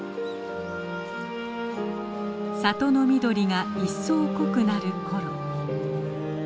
里の緑が一層濃くなる頃。